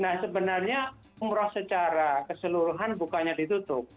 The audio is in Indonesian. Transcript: nah sebenarnya umrah secara keseluruhan bukanya ditutup